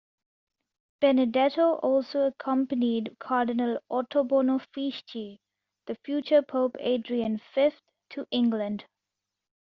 Benedetto also accompanied Cardinal Ottobono Fieschi, the future Pope Adrian V, to England.